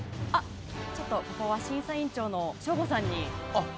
ここは審査員長の省吾さんに。